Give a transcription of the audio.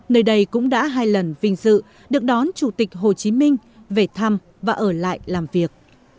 nơi đây cũng đã hai lần vinh dự được đón chủ tịch hồ chí minh về thăm và ở lại làm việc